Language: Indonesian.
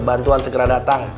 bantuan segera datang